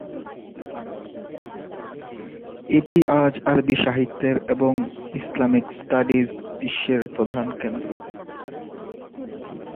এটি আজ আরবি সাহিত্যের এবং ইসলামিক স্টাডিজ বিশ্বের প্রধান কেন্দ্র।